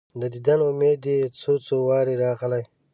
د دیدن امید دي څو، څو واره راغلی